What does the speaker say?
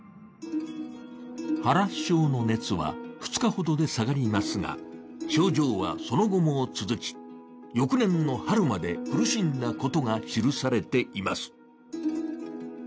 原首相の熱は２日ほどで下がりますが、症状はその後も続き、翌年の春まで苦しんだことが記されています。